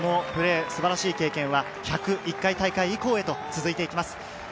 素晴らしい経験は１０１回大会以降へと続いていきます。